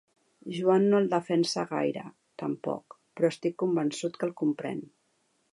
Joan no el defensa gaire, tampoc, però estic convençut que el comprèn.